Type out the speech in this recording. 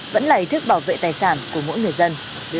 vẫn là ý thức bảo vệ tài sản của mỗi người dân